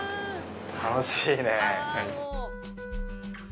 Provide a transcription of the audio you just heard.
楽しいねえ。